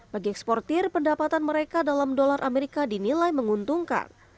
bagi eksportir pendapatan mereka dalam dolar amerika dinilai menguntungkan